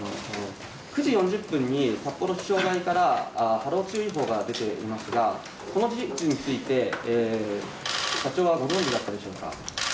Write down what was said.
９時４０分に札幌気象台から波浪注意報が出ていますが、この事実について社長はご存じだったでしょうか。